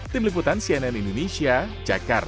tim liputan cnn indonesia jakarta